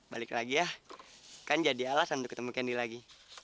balik lagi ya kan jadi alasan ketemu candy lagi